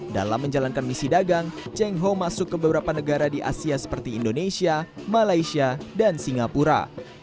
dalam menjalankan misi dagang cengho masuk ke beberapa negara di asia seperti indonesia malaysia dan singapura